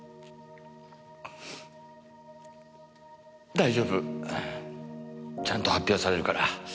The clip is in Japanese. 大丈夫ちゃんと発表されるから。